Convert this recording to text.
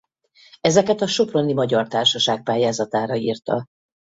Ezeket a soproni Magyar Társaság pályázatára írta.